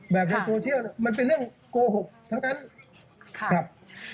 ในโซเชียลมันเป็นเรื่องโกหกทั้งนั้นครับ